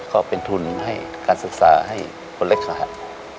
ก็เป็นทุนให้การศึกษาให้คนเล็กรหัส